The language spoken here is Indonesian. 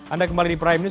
anda kembali di prime news